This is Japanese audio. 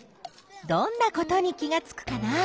どんなことに気がつくかな？